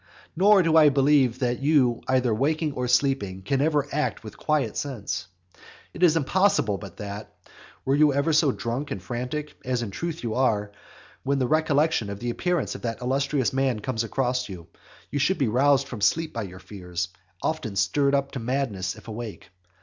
Nor do I believe that you either waking or sleeping, can ever act with quiet sense. It is impossible but that, were you ever so drunk and frantic, as in truth you are, when the recollection of the appearance of that illustrious man comes across you, you should be roused from sleep by your fears, and often stirred up to madness if awake.